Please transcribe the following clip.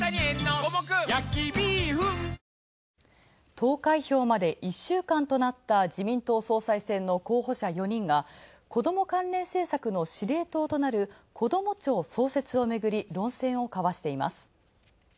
投開票まで一週間となった自民党総裁選の候補者４人が、こども庁関連政策の司令塔となるこども庁創設をめぐり、論戦を交わしています。